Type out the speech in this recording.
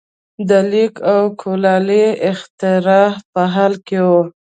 د لیک او کولالۍ اختراع په حال کې وو.